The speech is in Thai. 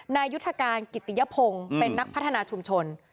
นายุทธการกิติยพงศ์เป็นนักพัฒนาชุมชน